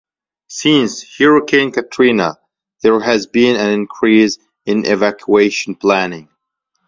Since Hurricane Katrina, there has been an increase in evacuation planning.